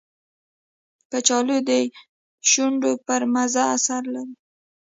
کچالو د شونډو پر مزه اثر لري